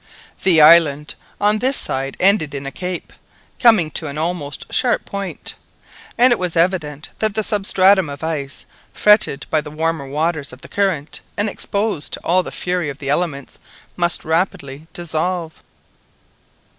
The island on this side ended in a cape, coming to an almost sharp point, and it was evident that the substratum of ice, fretted by the warmer waters of the current and exposed to all the fury of the elements, must rapidly dissolve.